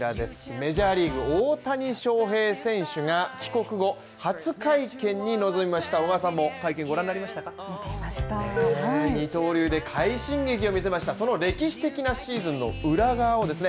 メジャーリーグ大谷翔平選手が帰国後初会見に臨みましたリアル二刀流で快進撃を見せましたその歴史的なシーズンの裏側をですね